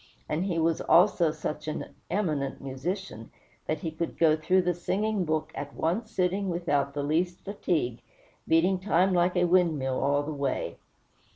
And he was also such an eminent musician, that he could go through the singing book at one sitting without the least fatigue, beating time like a windmill all the way.